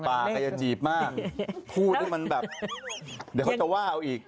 ปากก็จะจีบมาก